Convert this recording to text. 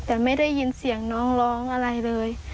แต่ไม่ได้ยินเสียงน้องร้องอะไรเลย